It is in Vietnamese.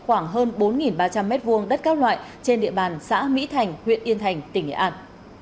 khoảng hơn bốn ba trăm linh m hai đất các loại trên địa bàn xã mỹ thành huyện yên thành tỉnh nghệ an